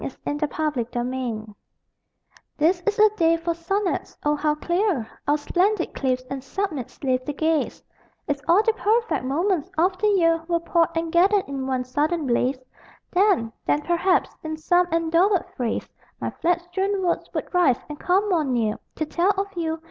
A SONNET IN SUNLIGHT This is a day for sonnets: Oh how clear Our splendid cliffs and summits lift the gaze If all the perfect moments of the year Were poured and gathered in one sudden blaze, Then, then perhaps, in some endowered phrase My flat strewn words would rise and come more near To tell of you.